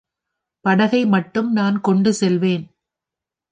படகைமட்டும் நான் கொண்டு செல்வேன்.